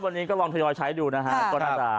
วันนี้ก็ลองทยอยใช้ดูนะฮะ